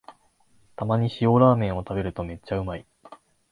たまに塩ラーメンを食べるとめっちゃうまい